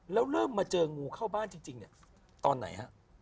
แล้วเริ่มมาเจองูเข้าบ้านจริงตอนไหนครับ